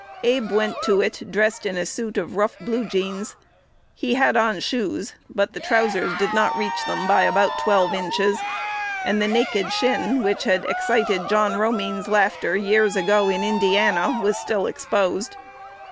Abe went to it, dressed in a suit of rough blue jeans. He had on shoes, but the trousers did not reach them by about twelve inches; and the naked shin, which had excited John Romine's laughter years ago in Indiana, was still exposed.